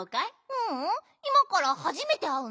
ううんいまからはじめてあうんだ。